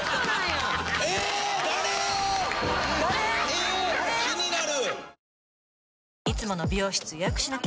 えっ気になる！